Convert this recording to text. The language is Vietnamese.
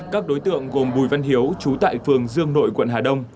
các đối tượng gồm bùi văn hiếu chú tại phường dương nội quận hà đông